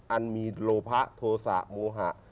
อันมีโลพะโทสะโมหะ